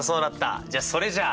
じゃそれじゃあ。